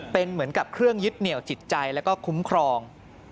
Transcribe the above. เป็นเหมือนกับเครื่องยึดเหนี่ยวจิตใจแล้วก็คุ้มครอง